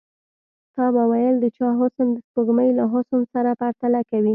تا به ويل د چا حسن د سپوږمۍ له حسن سره پرتله کوي.